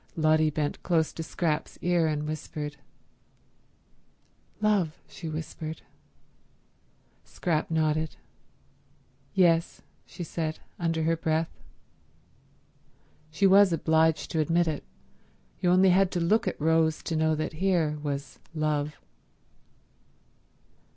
Lotty bent close to Scrap's ear, and whispered. "Love," she whispered. Scrap nodded. "Yes," she said, under her breath. She was obliged to admit it. You only had to look at Rose to know that here was Love.